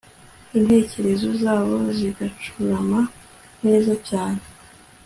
Intekerezo zabo zigacurama neza cyane